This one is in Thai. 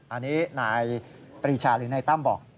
อันนี้นายปรีชาหรือนายตั้มบอก